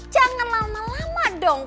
jangan lama lama dong